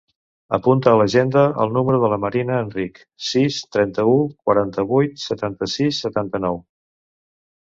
Apunta a l'agenda el número de la Marina Enrich: sis, trenta-u, quaranta-vuit, setanta-sis, setanta-nou.